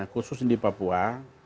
khusus di papua